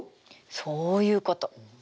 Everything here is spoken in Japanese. そういうこと。